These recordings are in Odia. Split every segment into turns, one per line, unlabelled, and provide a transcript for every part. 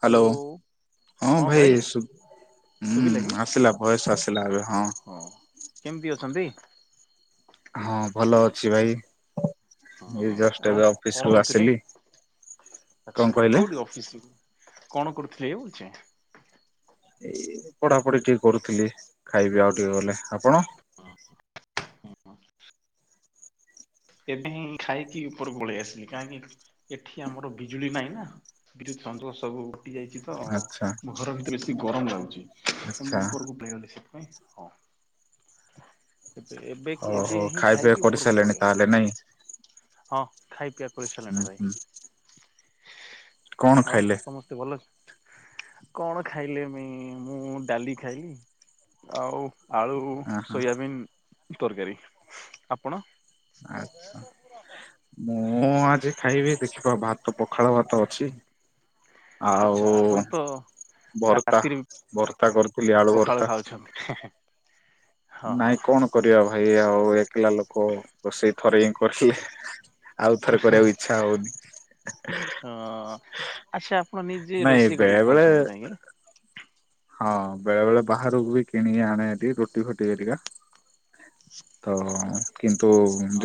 ହ୍ୟାଲୋ ହଁ ଭାଇ
ଶୁଭିଲା କି
ହୁଁ ଆସିଲା। ଭଏସ୍ ଆସିଲା ଏବେ।
ହଁ କେମିତି ଅଛନ୍ତି?
ହଁ ଭଲ ଅଛି ଭାଇ, ଜଷ୍ଟ ଏବେ ଅଫିସ ରୁ ଆସିଲି। କଣ
ଆଛା
କହିଲେ?
କୋଉଠି ଅଫିସ? କଣ କରୁଥିଲେ [unintelligible]
ଏଇ ପଢାପଢି ଟିକେ କରୁଥିଲି, ଖାଇବି ଆଉ ଟିକେ ଗଲେ, ଆପଣ?
ହଁ। ଏବେ ହିଁ ଖାଇକି ଉପର ପଳେଇ ଆସିଲି, କାହିଁକି ଏଠି ଆମର ବିଜୁଳି ମାଇଲା। ବିଦ୍ୟୁତ୍ ସଞ୍ଚୋଷ ସବୁ କଟି ଯାଇଚି, ତ
ଆଚ୍ଛା
ମୋ ଘର ଭିତରେ ବେସିଗରମ ଲାଗୁଛି। ତ
ଆଚ୍ଛା
ମୁଁ ଉପରକୁ ପେଇଗଲି ସେଠ ହଁ ଏବେ
ଓହୋ
ଏବେ ହିଁ
ଖାଇବା ପିଇବା
ଖାଇକି ଉପରକୁ
କରିସାରିଲେଣି
ପଳେଇବେ।
ତାହେଲେ ନାଇଁ
ହଁ ଖାଇ ପିଆ
ହୁଁ
କରିସାରିଲିଣି ଭାଇ।
ହୁଁ କଣ
ଆଉ
ଖାଇଲେ?
ସମସ୍ତ ଭଲ ଅଛନ୍ତି? କଣ ଖାଇଲେ ମି ମୁଁ ଡାଲି ଖାଇଲି। ଆଉ ଆଳୁ
ଅ ହଁ
ସୋୟାବିନ୍ ତରକାରୀ, ଆପଣ?
ଆ ମୁଁ ଆଜି ଖାଇବି ଦେଖିବା ଭାତ ପଖାଳ ଭାତ ଅଛି। ଆଉ
ଆଚଛା ଆପଣ ତ
ଭର୍ତ୍ତା
ରାତିରେ ବି
ଭର୍ତ୍ତା କରିଥିଲି ଆଳୁ
ପଖାଳ
ଭର୍ତ୍ତା
ଖାଉଛନ୍ତି, ହଁ ହଁ।
ନାଇଁ
ହଁ।
କଣ କରିବା ଭାଇ ଆଉ ଏକିଲା ଲୋକ ରୋଷେଇ ଥରେ ହିଁ କରିଲେ। ଆଉ ଥରେ କରିବାକୁ ଇଚ୍ଛା ହଉନି।
ହଁ ଆଚ୍ଛା ଆପଣ ନିଜେ
ନାଇଁ
ରୋଷେଇ
ବେଳେ
କରିକି
ବେଳେ
ଖାଉଛନ୍ତି ନାଇଁ କି?
ହଁ ବେଳେ ବେଳେ ବାହାରକୁ ବି କିଣିକି ଆଣେ ଏଠି ରୁଟି ଫୁଟି ହରିକା। ତ କିନ୍ତୁ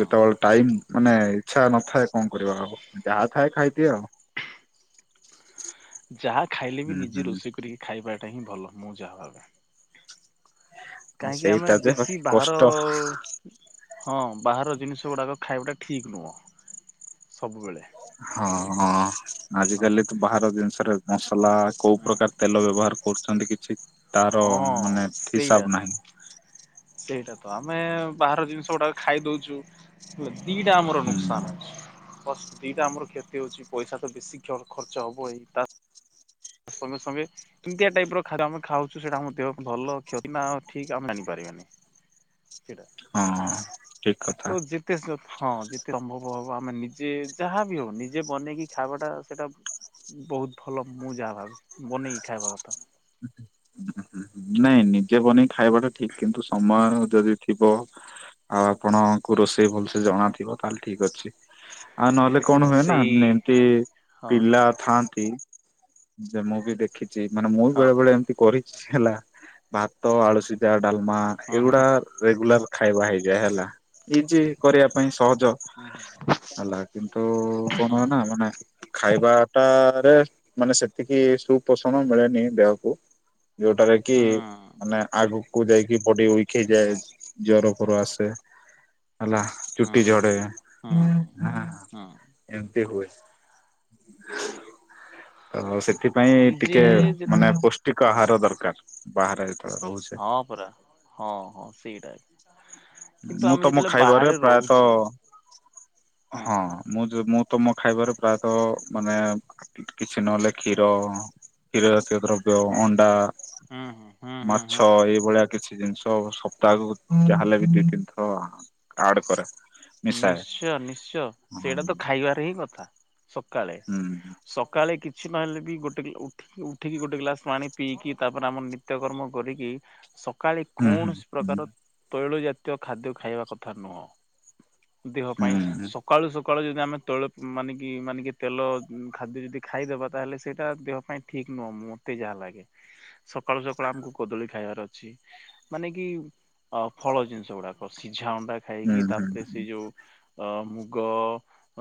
ଯେତେବେଳେ ଟାଇମ ମାନେ ଇଚ୍ଛା ନଥାଏ କଣ କରିବା ଆଉ ଯାହା ଥାଏ ଖାଇଦିଏ ଆଉ।
ଯାହା ଖାଇଲେ ବି
ହୁଁ
ନିଜେ
ହୁଁ।
ରୋଷେଇ କରିକି ଖାଇବାଟା ହିଁ ଭଲ ମୁଁ ଯାହା ଭାବେ।
ଆଉ
କାହିଁକି ଆମେ
ସେଇଟା ଯେ
ବେଶୀ
ବାକି
ବାହାର
କଷ୍ଟ
ହଁ ବାହାର ଜିନିଷ ଗୁଡ଼ାକ ଖାଇବାଟା ଠିକ୍ ନୁହଁ ସବୁବେଳେ।
ହଁ ହଁ
ହଁ
ଆଜିକାଲି ତ ବାହାର ଜିନିଷରେ ମସଲା କୋଉ ପ୍ରକାର ତେଲ ବ୍ୟବହାର କରୁଛନ୍ତି କିଛି ତାର
ହଁ
ମାନେ
ସେଇଟା।
ହିସାବ ନାହିଁ।
ସେଇଟା ତ ଆମେ ବାହାର ଜିନିଷ ଗୁଡାକ ଖାଇ ଦୋଉଚୁ। ହେଲେ ଦିଟା ଆମର
ହୁଁ
ନୁକସାନ ଅଛି। ମଷ୍ଟ ଦିଟା ଆମର କ୍ଷତି ହଉଛି ପଇସା ତ ବେଶୀ ଖର୍ଚ୍ଚ ହବ, ଏଇ ତା ସଙ୍ଗେ ସଙ୍ଗେ କେମିତିଆ ଟାଇପ ର ଖା୍ୟ ଆମେ ଖାଉଚ ସେଟା ଆମ ଦେ ଭଲ କ୍ଷତି ନା ଠିକ ଆମେ ଜାଣିପାରିବାନି। ସେଟା
ହଁ। ଠିକ କଥା
ତ ଯେତେ ତେ ହଁ ଯେତେ ଅନଭବ ହବ ଆମେ ନିଜେ ଯାହା ବି ହଉ ନିଜେ ବନେଇକି ଖାଇବାଟା ସେଇଟା ବହୁତ ଭଲ ମୁଁ ଯାହା ଭାବି ବନେଇକି ଖାଇବା କଥା।
ନାଇଁ ନିଜେ ବନେଇକ ଖାଇବାଟା ଠିକ, କିନ୍ତୁ ସମୟ ଯଦି ଥିବ ଆଉ ଆପଣଙ୍କୁ ରୋଷେଇ ଭଲସେ ଜଣା ଥିବ ତାହେଲେ ଠିକ ଅଛି। ଆଉ ନହେଲେ କଣ ହୁଏ ନା
ରୋଷେଇ
ଏମତି
ହଁ
ପିଲା ଥା ଯେ ମୁଁ ବି ଦେଖିଛି ମାନେ ମୁଁ ବେଳେ ବେଳେ ଏମତି କରିଛି ହେଲା ଭାତ ଆଳୁସିଜା ଡାଲମା
ହଁ ହଁ।
ଏଇଗୁଡା ରେଗୁଲାର ଖାଇବା ହେଇଯାଏ, ହେଲା ଇଜି କରିବା ପାଇଁ ସହଜ
ହଁ
ହେଲା କିନ୍ତୁ କଣ ନା ମାନେ ଖାଇବାଟରେ ମାନେ ସେତିକି ସୁପୋଷଣ ମିଳେନି ଦେହକୁ। ଯୋଉଟାରେ କି
ହଁ
ମାନେ ଆଗକୁ ଆଗକୁ ଯାଇକି ବଡି ଉଇକ୍ ହେଇଯାଏ। ଜର ଫର ଆସେ ହେଲା।
ହଁ
ଚୁଟି ଝଡେ।
ହଁ ହଁ
ଏମିତି ହୁଏ ତ ସେଥିପାଇଁ
ନିଜେ
ଟିକେ
ଯେ
ମାନେ ପୌଷ୍ଟିକ
ହଁ।
ଆହାର ଦରକାର ବାହାରେ ଯେତେବେଳେ ରହୁଛେ
ହଁ ପରା ହଁ ହଁ ସେଇରା।
ମୁଁ ତମ ଖାଇବାରେ
ରହୁଛେ
ପ୍ରାୟତଃ ହଁ ମୁଁ ଯୋ ମୁଁ ତମ ଖାଇବାରେ ପ୍ରାୟତଃ ମାନେ କିଛି ନହେଲେ କ୍ଷୀର, କ୍ଷୀର ଜାତିୟ ଦ୍ର ବ୍ୟ
ହଁ
ଅଣ୍ଡା,
ହୁଁ ହୁଁ ହୁଁ ହୁଁ
ମାଛ ଏଇଭଳିଆ କିଛି ଜିନିଷ ସପ୍ତାହକୁ ଯାହାହେଲେ ବି ଦି ତିନି ଥର ଆଡ କରେ। ମିଶାଏ
ନିଶ୍ଚୟ ନିଶ୍ଚୟ
ହୁଁ
ସେଇଟା ତ ଖାଇବାର ହିଁ କଥା। ସକାଳେ
ହୁଁ
ସକାଳେ କି ଛି ନହେଲେ ବି ଗୋଟେ ଉ-ଉଠିକି ଗୋଟେ ଗ୍ଲାସ ପାଣି ପିଇକି ତାପରେ ଆମର ନିତ୍ୟକର୍ମ କରିକି। ସକାଳେ
ହୁଁ
କୌଣସି
ହୁଁ
ପ୍ରକାର ତୈଳ ଜାତୀୟ ଖାଦ୍ୟ ଖାଇବା କଥା ନୁହଁ। ଦେହ ପାଇଁ
ହୁଁ
ସକାଳୁ ସ କାଳୁ ଯଦି ଆମେ ତୈଳ ମାନେ କି ମାନେକି ତେଲ ଖାଦ୍ୟ ଯଦି ଖାଇଦେବା ତାହେଲେ ସେଇଟା ଦେହ ପାଇଁ ଠିକ୍ ନୁହଁ। ମତେ ଯାହା ଲାଗେ ସକାଳୁ ସକାଳୁ ଆମକୁ କଦଳୀ ଖାଇବାର ଅଛି। ମାନେ କି ଅ ଫଳ ଜିନିଷ ଗୁଡାକ ସିଝା ଅଣ୍ଡା
ହୁଁ
ଖାଇକି ତା
ହୁଁ
ଯୋଉ ମୁଗ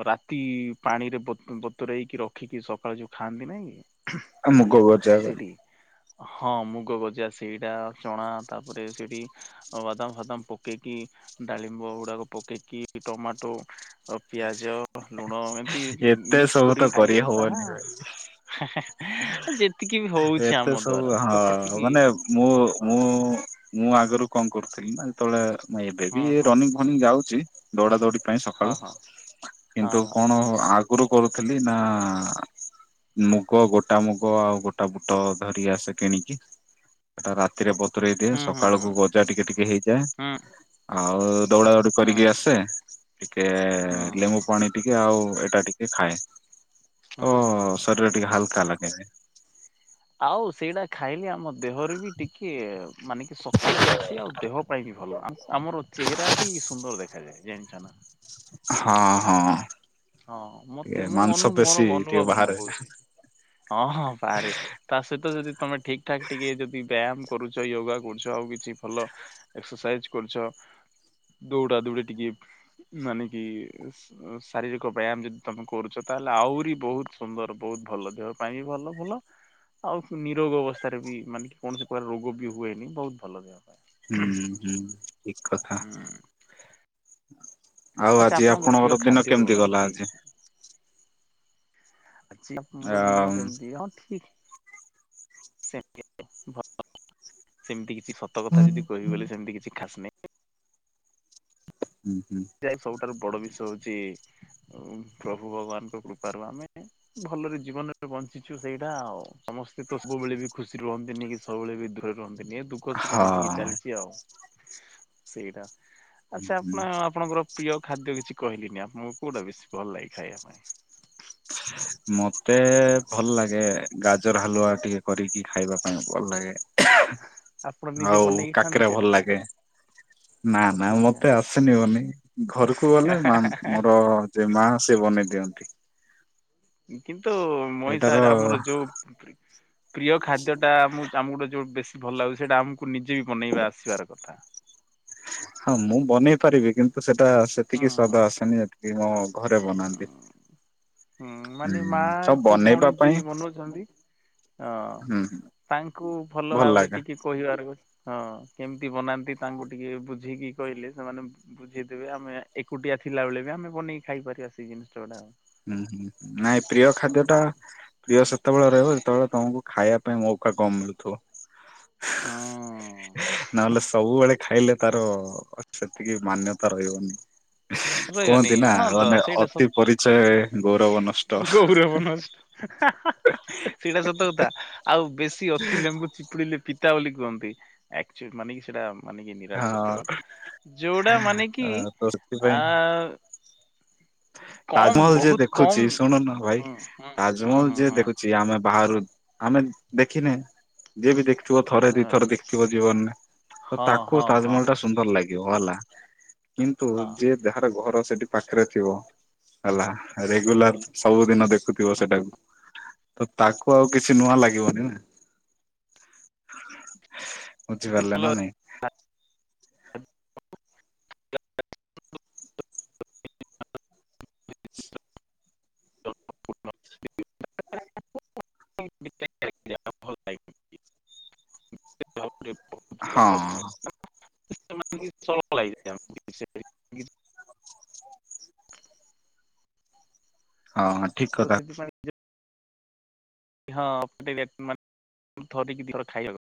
ରାତି ପାଣିରେ ବ-ବତୁରେଇକି ରଖିକି ସକାଳେ ଯୋଉ ଖାଆନ୍ତି ନାଇଁ କି।
ମୁଗ ଭଜା
ସେଇଠିକି ହଁ ମୁଗ ଗଜା ସେଇଟା ଚଣା ତାପରେ ସେଇଟି ଅ ବାଦାମ ଫାଦାମ ପକେଇକି ଡାଳିମ୍ବ ଗୁଡାକ ପକେଇକି ଟମାଟୋ ଅ ପିଆଜ, ଲୁଣ ଏମତି
ଏତେ
ମିକ୍ସ
ସବୁ ତ
କରିକି
କରି
ଖାଇଲେ ତାହା
ହବନି
[unintelligible] ଯେତିକି ବି
ଭାଇ
ହୋଉଚି
ଏତେ
ଆମ ଦ୍ଵାରା
ସବୁ
ତ
ହଁ
ସେତିକି
ମାନେ ମୁଁ
ହଁ
ମୁଁ ମୁଁ ଆଗରୁ କଣ କରୁଥିଲି ନା ଯେତେବେଳେ ଏବେ ବି
ହଁ ହଁ
ରନିଙ୍ଗ ଫନିଙ୍ଗ ଯାଉଚି। ଦୌଡା ଦୌଡି ପାଇଁ
ହଁ
ସକାଳୁ
ହଁ ହଁ
କିନ୍ତୁ
ହଁ
କଣ ଆ ଗୁରୁ କରୁଥିଲି ନା ମୁଗ ଗୋଟା ମୁଗ ଆଉ ଗୋଟା ବୁଟ ଧରି ଆସେ କିଣିକି। ସେଟା ରାତିରେ ବତୁରେଇ ଦିଏ
ହୁଁ ହୁଁ
ସକାଳକୁ ଗଜା ଟିକେ ଟିକେ ହେଇଯାଏ।
ହୁଁ
ଆଉ ଦୌଡା ଦୌଡି
ହୁଁ
କରିକି ଆସେ ଟିକେ
ହୁଁ
ଲେମ୍ବୁ
ହୁଁ
ପାଣି ଟିକେ ଆଉ ଏଇଟା ଟିକେ ଖାଏ ତ
ହୁଁ।
ସ୍ୟା [unintelligible] ଟିକେ ହାଲକା ଲାଗେ।
ଆଉ ସେଇଟା ଖାଇଲି ଆମର ଦେହରେ ବି ଟିକିଏ ମାନେ କି ଶକ୍ତି ବି ଆସେ ଆଉ ଦେହ ପାଇଁ ବି ଭଲ ଆମ-ଆମର ଚେହେରା ବି ସୁନ୍ଦର ଦେଖାଯାଏ ଜାଣିଚ ନା?
ହଁ ହଁ।
ହଁ ହଁ ମତେ
ଟିକେ
ମୁଁ
ମାଂସ
ଅନୁ ମୋର
ପେଶୀ ଟିକେ
ଅନୁଭବରେ ମୁଁ
ବାହାରେ
କୋହୁଚି। ହଁ ହଁ ବାରେ। ତା ସହିତ ଯଦି ତମେ ଠିକ୍ ଠାକ୍ ଟିକେ ଯଦି ବ୍ୟାୟାମ କରୁଚ ୟୋଗା କରୁଚ ଆଉ କିଛି ଭଲ ଏକ୍ସରସାଇଜି କରୁଚ। ଦୌଡା ଦୌଡି ଟିକେ ମାନେ କି [unintelligible] ଶାରୀରିକ ବ୍ୟାୟାମ ଯଦି ତମେ କରୁଚ ତାହେଲେ ଆହୁରି ବୋହୁତ ସୁନ୍ଦର ବୋହୁତ ଭଲ। ଦେହ ପାଇଁ ବି ଭଲ ଭଲ। ଆଉ ନିରୋଗ ଅବସ୍ଥାରେ ବି ମାନେ କୌଣସି ପ୍ରକାର ରୋଗ ବି ହୁଏନି ବୋହୁତ ଭଲ ଦେହ ପାଇଁ।
ହୁଁ ହୁଁ ଠିକ୍ କଥା।
ହୁଁ
ଆଉ
ଆଚ୍ଛା
ଆଜି
ଆପଣଙ୍କ ପ୍ରିୟ
ଆପଣଙ୍କର ଦିନ
ଖାଦ୍ୟ କଣ
କେମିତି ଗଲା
ଏମିତି?
ଆଜି?
ଆଜି ଆମର ଦିନ
ଆଉ
କେମିତି ହଁ ଠିକ୍। ସେମତି ଭଲ। ସେମିତି କିଛି ସତ କଥା ଯଦି କହିବି ବୋଲି ସେମତି କିଛି ଖାସ୍ ନାହିଁ।
ହୁଁ ହୁଁ।
ଯେ ସବୁଠାରୁ ବଡ ବିଷୟ ହୋଉଚି ପ୍ରଭୁ ଭଗବାନଙ୍କ କୃପାରୁ ଆମେ ଭଲରେ ଜୀବନରେ ବଞ୍ଚିଚୁ ସେଇଟା ଆଉ। ସମସ୍ତେ ତ ସବୁବେଳେ ବି ଖୁସି ରହନ୍ତିନି କି ସବୁବେଳେ ବି ଦୁ ରୁହନ୍ତି ନିଏ ଦୁଃଖ ସୁଖ ମିଶିକି
ହଁ।
ଚାଲିଛି ଆଉ ସେଇଟା। ଆଚ୍ଛା ଆପଣ ଆପଣଙ୍କର ପ୍ରିୟ ଖାଦ୍ୟ କିଛି କହିଲିନି ଆପ ମୁଁ କୋଉଟା ବେଶୀ ଭଲ ଲାଗେ ଖାଇଆ ପାଇଁ? [unintelligible]
ମତେ ଭଲ ଲାଗେ ଗାଜର ହାଲୁଆ ଟିକେ କରିକି ଖାଇବା ପାଇଁ ଭଲ ଲାଗେ।
ଆପଣ ନିଜେ
ଆଉ
ବନେଇକି ଖାଆନ୍ତି
କାକେରା
ସେଇଟା
ଭଲ ଲାଗେ। ନା ନା
ଆଚ୍ଛା ଆଚ୍ଛା।
ମତେ ଆସେନିି ବନେଇ ଘରକୁ ଗଲେ ମା ମୋର ଯେ ମା ସେ ବନେଇ ଦିଅନ୍ତି।
କିନ୍ତୁ ମୁଇଁ
ସେଇଟାର
ସାରେ ଆମର ଯୋଉ ପ୍ରିୟ ଖାଦ୍ୟଟା ଆମୁ ଆମୁ ଗୁଟେ ଯୋଉ ବେଶୀ ଭଲ ଲାଗୁଚି ସେଇଟା ଆମକୁ ନିଜେ ବି ବନେଇବା ଆସିବାର କଥା।
ହଁ ମୁଁ ବନେଇ ପାରିବି କିନ୍ତୁ ସେଟା
ହୁଁ
ସେତିକି
ହୁଁ।
ସ୍ଵାଦ ଆସେନି ଯେତିକି ମୋ ଘରେ ବନାନ୍ତି।
ହୁଁ। ହୁଁ ମାନେ ମା
ସବୁ
କି
ବନେଇବା
ଭଉଣୀ
ପାଇଁ
ଯିଏବି ବନଉଛନ୍ତି ହଁ
ହୁଁ
ତାଙ୍କୁ ଭଲ ଭାବରେ ଟିକେ କହିବାର ହଁ କେମିତି ବନାନ୍ତି ତାଙ୍କୁ ଟିକେ ବୁଝିକି କହିଲେ ସେମାନେ ବୁଝେଇଦେବେ ଆମେ ଏକୁଟିଆ ଥିଲା ବେଳେ ବି ଆମେ ବନେଇକି ଖାଇ ପାରିବା ସେ ଜିନିଷଗୁଡା ଆଉ।
ହୁଁ ହୁଁ ହୁଁ ନାଇଁ ପ୍ରିୟ ଖାଦ୍ୟଟା ପ୍ରିୟ ସେତେବେଳେ ରହିବ ଯେତେବେଳେ ତମକୁ ଖାଇଆ ପାଇଁ ମୌକା କମ୍ ମିଳୁଥିବ।
ହଁ।
ନହେଲେ ସବୁବେଳେ ଖାଇଲେ ତାର ସେତିକି ମାନ୍ୟତା ରହିବନି
ରହିବନି
କୁହନ୍ତି ନା
ହଁ
ମାନେ ଅତି ପରି ଚୟ ଗୋର
ଗଉରବ ନଷ୍ଟ। ହା ହା ହା ସେଇଟା ସତ କଥା ଆଉ ବେଶୀ ଅତି ଲେମ୍ବୁ ଚିପୁଡିଲେ ପି ତା ବୋଲି କୁହନ୍ତି ଆକ୍ୟଚୁ ମାନିକି ସେଟା ମାନେ କି ନିରାଟ
ହଁ
ସତ୍ୟ କଥା ଯୋଉଡା ମାନେ କି
ତ ସେଥିପାଇଁ
ଆ ଉ
ତାଜମହଲ ଯିଏ ଦେଖୁଚି ଶୁଣୁନ ଭାଇ
ହୁଁ ହୁଁ
ତାଜମହଲ
ହୁଁ
ଯିଏ
ହୁଁ
ଦେଖୁଚି ଆମେ ବାହାରୁ ଆମେ ଦେଖିନେ। ଯିଏ ବି ଦେଖିଥିବ ଥରେ ଦି
ହୁଁ
ଥରେ ଦେଖିଥିବ ଜୀବନରେ ତ
ହଁ
ତାକୁ
ହଁ ହଁ
ତାଜମହଲ ଟା ସୁନ୍ଦର ଲାଗିବ ହେଲା। କିନ୍ତୁ
ହଁ
ଯିଏ ଯାହାର ଘର ସେଠି ପାଖେରେ ଥିବ ହେଲା ରେଗୁଲାର ସବୁଦିନ ଦେଖୁଥିବ ସେଟାକୁ ତ ତାକୁ ଆଉ କିଛି ନୂଆ ଲାଗିବନି ନା। ବୁଝିପାରିଲେ
ଭଲ
ନା ନାଇଁ?
[unintelligible]
ହଁ
[unintelligible]
ହଁ ଆଇଁ।
ତ ସେଥିପାଇଁ ହଁ [unintelligible] ଥରେ କି ଦି ଥର ଖାଇଆକୁ